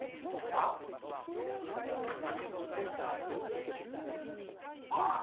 はぁ？あっ！